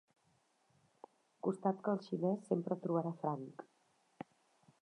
Costat que el xinès sempre trobarà franc.